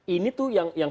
ini tuh yang